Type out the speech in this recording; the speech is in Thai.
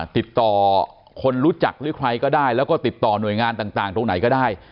ติดต่อคนรู้จักหรือใครก็ได้แล้วก็ติดต่อหน่วยงานต่างตรงไหนก็ได้